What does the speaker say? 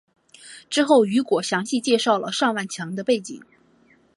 之后雨果详细介绍了尚万强的背景。